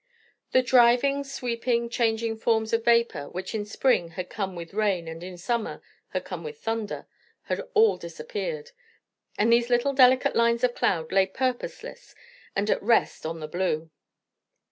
The driving, sweeping, changing forms of vapour, which in spring had come with rain and in summer had come with thunder, had all disappeared; and these little delicate lines of cloud lay purposeless and at rest on the blue.